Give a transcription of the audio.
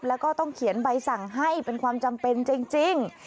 แล้วก็ต้องเขียนใบสั่งให้เป็นความจำเป็นจริง